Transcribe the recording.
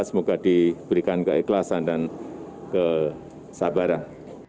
semoga diberikan keikhlasan dan kesabaran